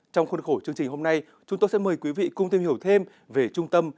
trong khuôn khổ chương trình hôm nay chúng tôi sẽ mời quý vị cùng tìm hiểu thêm về trung tâm